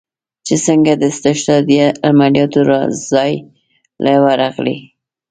چې سنګه د استشهاديه عملياتو زاى له ورغلې.